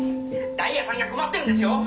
ダイヤさんが困ってるんですよ！